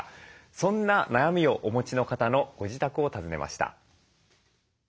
そんな悩みをお持ちの方のご自宅を訪ねました。